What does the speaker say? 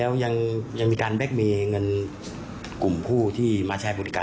และตัวเด็กเองตัวลูกสาวเหล็กเองก็ถูกอยู่ในอธันทีนี้ค่ะ